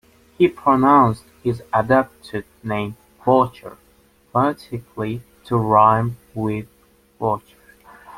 He pronounced his adopted name "Boucher" phonetically, "to rhyme with voucher.